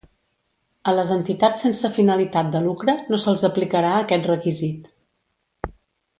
A les entitats sense finalitat de lucre, no se'ls aplicarà aquest requisit.